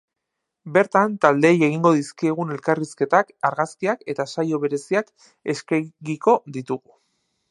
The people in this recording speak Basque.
Bertan, taldeei egingo dizkiegun elkarrizketak, argazkiak eta saio bereziak eskegiko ditugu.